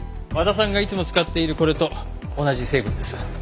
和田さんがいつも使っているこれと同じ成分です。